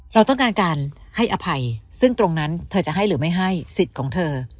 เราต้องการการให้อภัยซึ่งตรงนั้นเธอจะให้หรือไม่ให้สิทธิ์ของเธอ